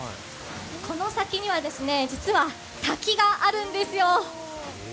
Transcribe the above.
この先には実は滝があるんですよ。